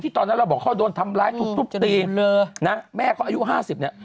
ตอนนั้นเราบอกเขาโดนทำร้ายทุบตีเลยนะแม่เขาอายุ๕๐เนี่ย